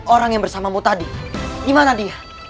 orang yang bersamamu tadi gimana dia